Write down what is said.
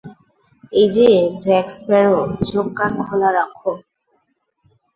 এইযে, Jack Sparrow, চোখ-কান খোলা রাখো।